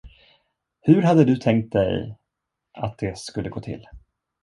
Hur hade du tänkt dig att det skulle gå till?